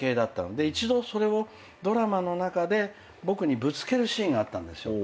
で一度それをドラマの中で僕にぶつけるシーンがあったんですよ。